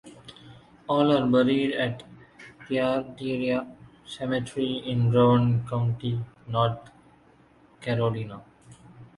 All are buried at Thyatira Cemetery in Rowan County, North Carolina.